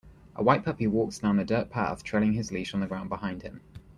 A white puppy walks down a dirt path trailing his leash on the ground behind him.